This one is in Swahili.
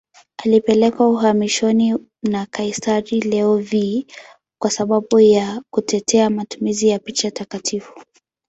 Alipelekwa uhamishoni na kaisari Leo V kwa sababu ya kutetea matumizi ya picha takatifu.